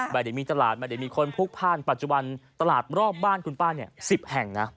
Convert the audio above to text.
ไม่ได้มีตลาดไม่ได้มีคนพลุกพ่านปัจจุบันตลาดรอบบ้านคุณป้าเนี่ย๑๐แห่งนะ